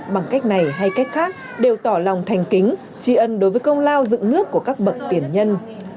bằng cách này hay cách khác đều tỏ lòng thành kính tri ân đối với công lao dựng nước của các bậc tiền nhân